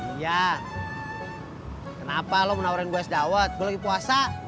iya kenapa lo mau nawarin gua es dawet gua lagi puasa